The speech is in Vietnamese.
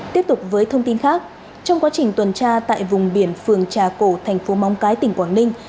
tiếp tục với thông tin khác trong quá trình tuần tra tại vùng biển phường trà cổ thành phố móng cái tỉnh quảng ninh